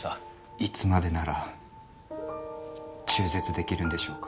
いつまでなら中絶できるんでしょうか？